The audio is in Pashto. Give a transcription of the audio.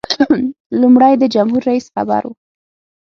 لومړی د جمهور رئیس خبر و.